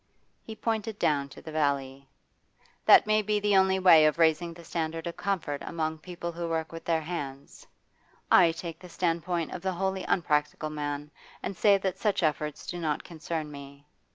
He pointed down to the valley. 'That may be the only way of raising the standard of comfort among people who work with their hands; I take the standpoint of the wholly unpractical man, and say that such efforts do not concern me.